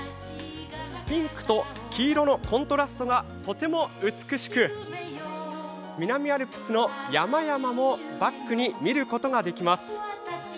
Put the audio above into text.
ピンクと黄色のコントラストがとても美しく、南アルプスの山々もバックに見ることができます。